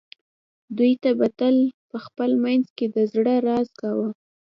دوی به تل په خپل منځ کې د زړه راز کاوه